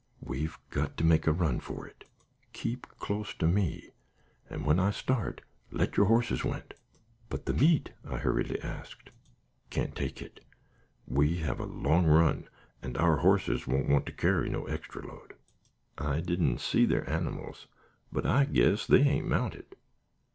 We've got to make a run for it. Keep close to me, and when I start, let your horses went." "But the meat?" I hurriedly asked. "Can't take it. We have a long run, an' our horses won't want to carry no extra load. I didn't see thar animals, but I guess they ain't mounted.